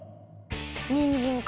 にんじんか。